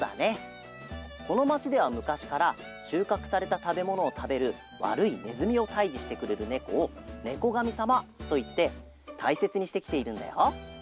このまちではむかしからしゅうかくされたたべものをたべるわるいねずみをたいじしてくれるねこを「ねこがみさま」といってたいせつにしてきているんだよ。